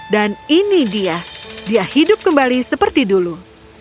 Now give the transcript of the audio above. dan ini dia dia hidup kembali seperti dulu